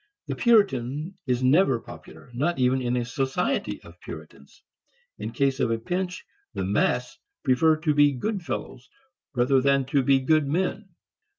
The Puritan is never popular, not even in a society of Puritans. In case of a pinch, the mass prefer to be good fellows rather than to be good men.